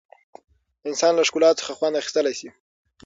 انسان له ښکلا څخه خوند اخیستلی شي.